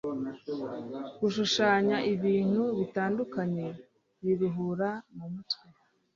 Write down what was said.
gushushanya ibintu bitandukanye biruhura mu umutwe